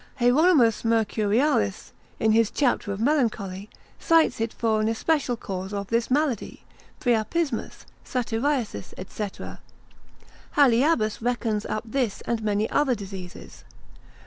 Hieronymus Mercurialis, in his chapter of melancholy, cites it for an especial cause of this malady, priapismus, satyriasis, &c. Haliabbas, 5. Theor. c. 36, reckons up this and many other diseases.